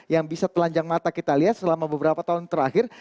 yang bisa telanjang mata kita lihat selama beberapa tahun terakhir